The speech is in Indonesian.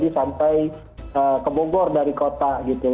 sampai ke bogor dari kota gitu